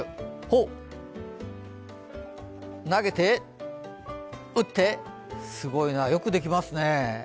ほっ投げて打ってすごいな、よくできますね。